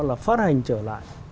là phát hành trở lại